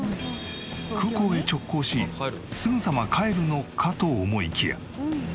空港へ直行しすぐさま帰るのかと思いきや。